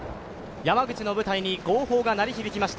山口の舞台に号砲が鳴り響きました。